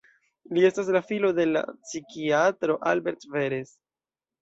Li estas la filo de psikiatro Albert Veress.